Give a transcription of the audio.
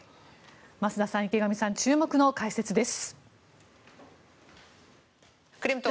増田さん、池上さん注目の解説です。